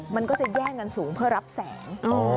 มันก็จะแย่งกันสูงเพื่อรับแสง